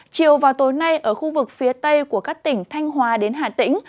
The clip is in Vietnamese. chiều vào tối nay ở khu vực phía tây của các tỉnh thanh hóa đến hà tĩnh